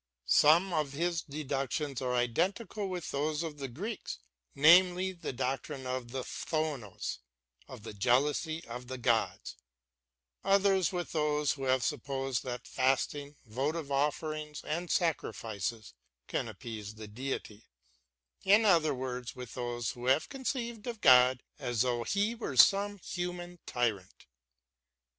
Some of his deductions are identical with those of the Greeks, namely, the doctrine of the ^dovos, of the jealousy of the gods ; others with those who have supposed that fasting, votive offerings and sacrifices can appease the Deity ; in other words, with those who have conceived of God as though He were some human tyrant.